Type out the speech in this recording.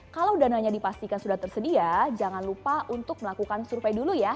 kalau dananya dipastikan sudah tersedia jangan lupa untuk melakukan survei dulu ya